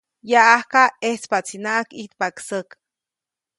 Yaʼajka ʼejtspaʼtsinaʼajk ʼijtpaʼk säk.